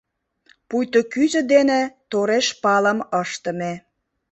— Пуйто кӱзӧ дене тореш палым ыштыме.